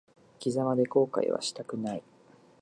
生き様で後悔はしたくない。